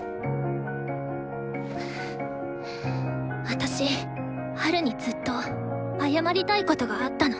私ハルにずっと謝りたいことがあったの。